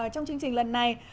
trong chương trình lần này